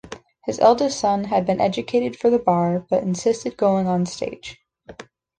His eldest son had been educated for the bar, but insisted going on stage.